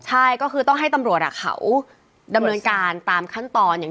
ใช่ก็คือต้องให้ตำรวจเขาดำเนินการตามขั้นตอนอย่าง